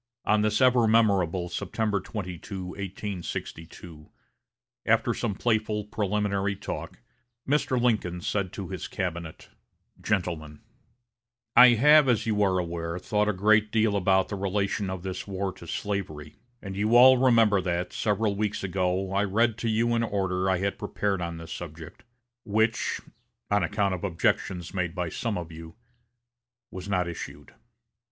On this ever memorable September 22, 1862, after some playful preliminary talk, Mr. Lincoln said to his cabinet: "GENTLEMEN: I have, as you are aware, thought a great deal about the relation of this war to slavery; and you all remember that, several weeks ago, I read to you an order I had prepared on this subject, which, on account of objections made by some of you, was not issued.